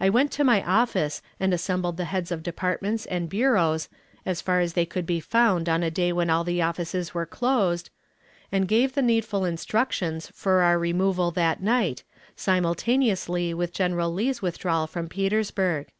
I went to my office and assembled the heads of departments and bureaus, as far as they could be found on a day when all the offices were closed, and gave the needful instructions for our removal that night, simultaneously with General Lee's withdrawal from Petersburg.